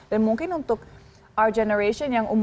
dan mungkin untuk our generation yang umum